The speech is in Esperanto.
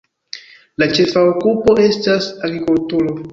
La ĉefa okupo estas agrikulturo.